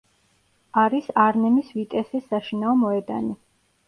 არის არნემის ვიტესის საშინაო მოედანი.